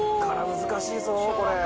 難しいぞこれ。